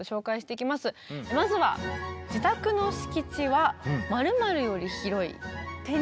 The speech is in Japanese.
まずは自宅の敷地は○○より広い。